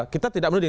kita tidak menudih